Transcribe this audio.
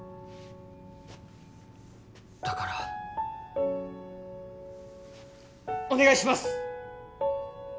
だからお願いします！